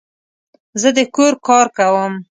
زه د کور کار کوم